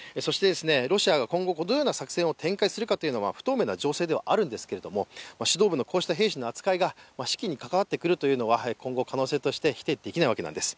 ロシアが今後このような作戦を展開するのかどうかは不透明な情勢ではあるんですけれども、指導部のこうした兵士の扱いが士気にかかわってくるというのは、今後可能性として否定できないんです。